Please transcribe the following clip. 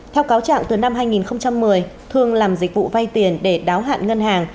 theo cáo trạng từ năm hai nghìn một mươi thương làm dịch vụ vay tiền để đáo hạn ngân hàng